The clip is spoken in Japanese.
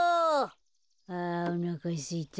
あおなかすいた。